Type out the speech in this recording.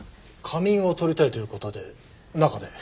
仮眠をとりたいという事で中で。